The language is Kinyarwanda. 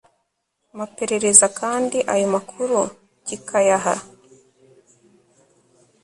maperereza kandi ayo makuru kikayaha